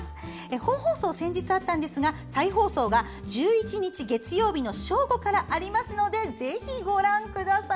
本放送は先日あったんですが再放送が１１日、月曜日の正午からありますのでぜひご覧ください。